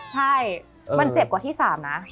ใช่มันเจ็บกว่าที่๓นะ